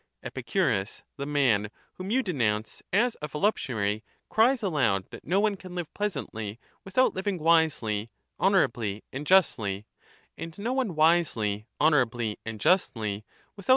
Epicurus, the man whom you denounce as a voluptuary, cries aloud that no one can live pleasantly without living wisely, hoi ablv and justly, and no one wisely, honourably a «I CICERO DF.